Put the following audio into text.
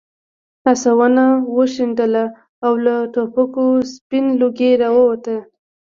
آسونه وشڼېدل او له ټوپکو سپین لوګی راووت.